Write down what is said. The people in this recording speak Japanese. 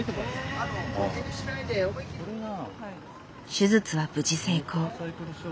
手術は無事成功。